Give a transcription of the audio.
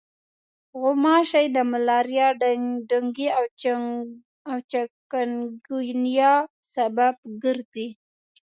غوماشې د ملاریا، ډنګي او چکنګونیا سبب ګرځي.